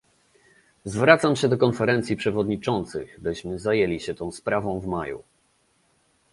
Zwracam się do Konferencji Przewodniczących, byśmy zajęli się tą sprawą w maju